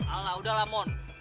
alah udahlah mon